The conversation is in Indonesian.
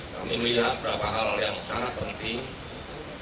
kami melihat beberapa hal yang sangat penting